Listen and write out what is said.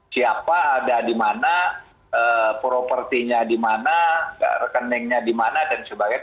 siapa ada di mana propertinya di mana rekeningnya di mana dan sebagainya